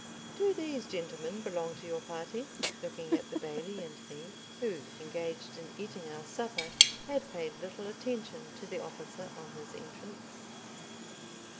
Do these gentlemen belong to your party?" looking at the Bailie and me, who, engaged in eating our supper, had paid little attention to the officer on his entrance.